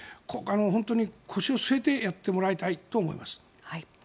本当に腰を据えてやってもらいたいと思います。